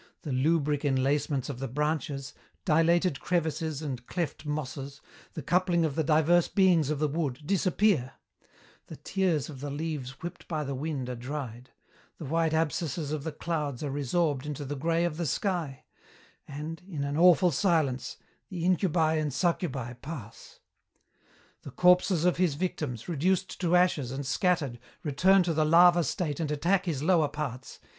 The lubric enlacements of the branches, dilated crevices and cleft mosses, the coupling of the diverse beings of the wood, disappear; the tears of the leaves whipped by the wind are dried; the white abscesses of the clouds are resorbed into the grey of the sky; and in an awful silence the incubi and succubi pass. "The corpses of his victims, reduced to ashes and scattered, return to the larva state and attack his lower parts.